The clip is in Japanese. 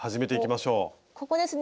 ここですね